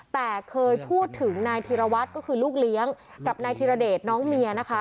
แต่เคยพูดถึงนายธีรวัตรก็คือลูกเลี้ยงกับนายธิรเดชน้องเมียนะคะ